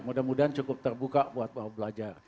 mudah mudahan cukup terbuka buat belajar